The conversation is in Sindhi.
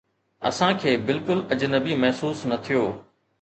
اسان کي بلڪل اجنبي محسوس نه ٿيو